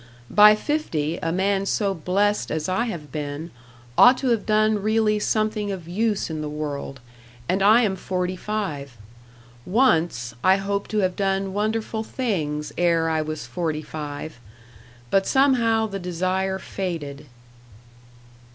By fifty, a man so blest as I have been, ought to have done really something of use in the world and I am forty five. Once, I hoped to have done wonderful things ere I was forty five. But somehow the desire faded."